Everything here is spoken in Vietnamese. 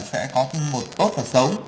sẽ có tinh bột tốt và xấu